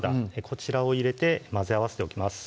こちらを入れて混ぜ合わせておきます